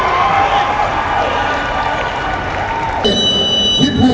สวัสดีครับทุกคน